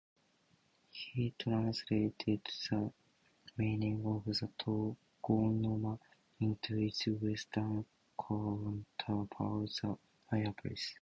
He translated the meaning of the tokonoma into its western counterpart: the fireplace.